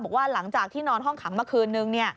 บอกว่าหลังจากที่นอนห้องขังเมื่อคืนนึง